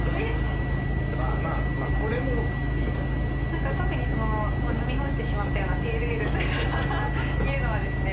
まあまあこれもいいかな何か特に飲み干してしまったようなペールエールというのはですね